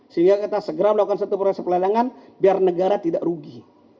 sehingga kita segera melakukan satu proses pelelangan biar negara tidak rugi